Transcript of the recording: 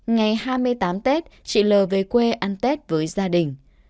ngày hai mươi tám tết chị l về quê ăn tết với gia đình